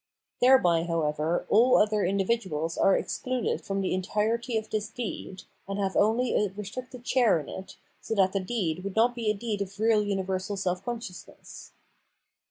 Thereby, however, all other in dividuals are excluded from the entirety of this deed, and have only a restricted share in it, so that the deed would not be a deed of real universal self consciousness.